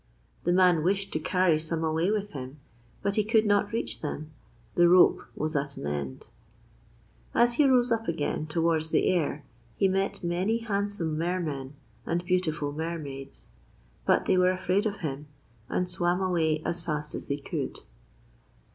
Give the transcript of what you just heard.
The man wished to carry some away with him, but he could not reach them the rope was at an end. As he rose up again towards the air he met many handsome Mermen and beautiful Mermaids, but they were afraid of him, and swam away as fast as they could.